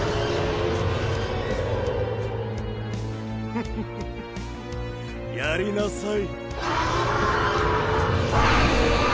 フフフやりなさい。